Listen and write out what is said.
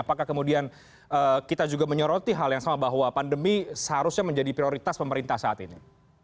apakah kemudian kita juga menyoroti hal yang sama bahwa pandemi seharusnya menjadi prioritas pemerintah saat ini